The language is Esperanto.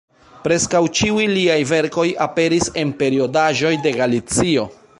Preskaŭ ĉiuj liaj verkoj aperis en periodaĵoj de Galicio.